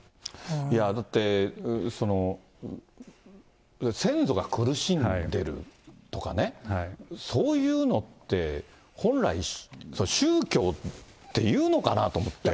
だって、先祖が苦しんでるとかね、そういうのって、本来、宗教っていうのかなと思って。